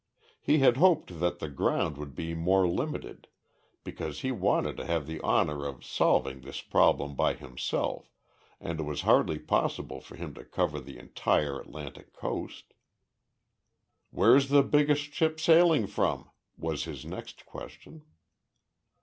He had hoped that the ground would be more limited, because he wanted to have the honor of solving this problem by himself, and it was hardly possible for him to cover the entire Atlantic Coast. "Where's the biggest ship sailing from?" was his next question.